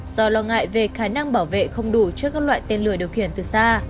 do lo ngại về khả năng bảo vệ không đủ trước các loại tên lửa điều khiển từ xa